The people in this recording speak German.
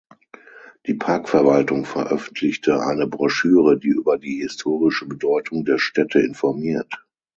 Die Parkverwaltung veröffentlichte eine Broschüre, die über die historische Bedeutung der Stätte informiert.